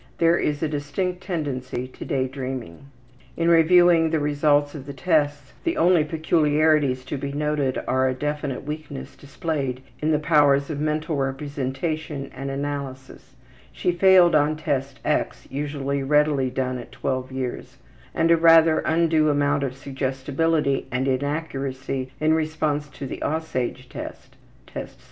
There is a distinct tendency to day dreaming. In reviewing the results of tests the only peculiarities to be noted are a definite weakness displayed in the powers of mental representation and analysis (she failed on Test X, usually readily done at 12 years), and a rather undue amount of suggestibility and inaccuracy in response to the ``Aussage'' test (Test VI).